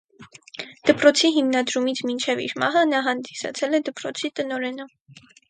Դպրոցի հիմնադրումից մինչև իր մահը նա հանդիսացել է դպրոցի տնօրենը։